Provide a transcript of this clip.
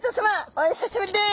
お久しぶりです。